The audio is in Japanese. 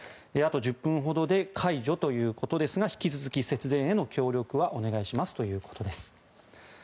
あと１０分ほどで解除ということですが引き続き節電への協力はお願いしますということです。